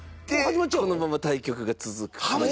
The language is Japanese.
このまま対局が続くという。